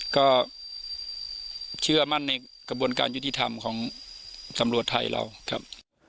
ก็เชื่อมั่นในกระบวนการยุติธรรมของตำรวจไทยเราครับ